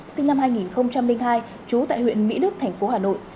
sinh năm hai nghìn hai trú tại huyện mỹ đức thành phố hà nội